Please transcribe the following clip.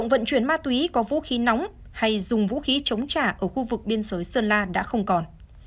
vận chuyển ma túy có vũ khí nóng hay dùng vũ khí chống trả ở khu vực biên giới sơn la đã không còn